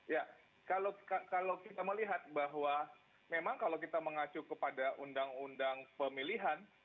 ya kalau kita melihat bahwa memang kalau kita mengacu kepada undang undang pemilihan